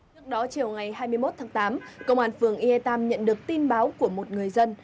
trước đó chiều ngày hai mươi một tháng tám công an phường ea tam nhận được tin báo của một người dân